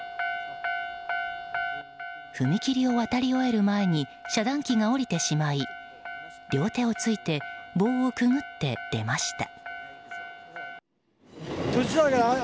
踏切を渡り終える前に遮断機が下りてしまい両手をついて棒をくぐって出ました。